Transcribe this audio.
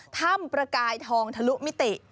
ประกายทองทะลุมิติ